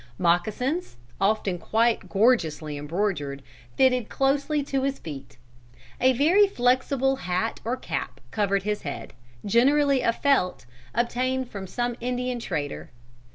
Moccasins, often quite gorgeously embroidered, fitted closely to his feet. A very flexible hat or cap covered his head, generally of felt, obtained from some Indian trader.